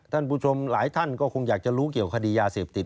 ท่านผู้ชมหลายท่านก็คงอยากจะรู้เกี่ยวคดียาเสพติด